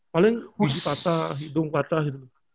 paling biji patah hidung patah gitu